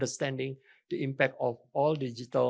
kesan semua masalah digital